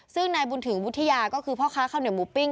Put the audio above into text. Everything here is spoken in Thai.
ซึ่งในบุญถือบุฒิยาก็คือพ่อค้าเข้าเหนือหมูปิ้ง